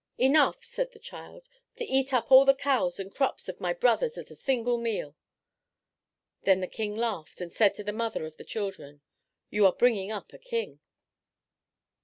"Enough," said the child, "to eat up all the cows and crops of my brothers at a single meal." Then the king laughed, and said to the mother of the children, "You are bringing up a king."